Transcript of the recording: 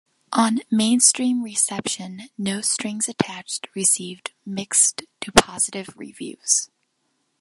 On mainstream reception, "No Strings Attached" received mixed to positive reviews.